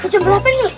ke jam berapa ini